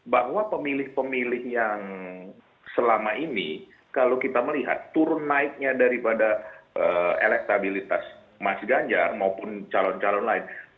bahwa pemilih pemilih yang selama ini kalau kita melihat turun naiknya daripada elektabilitas mas ganjar maupun calon calon lain